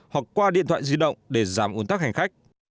hoặc qua điện thoại di động để giảm ồn tắc hành khách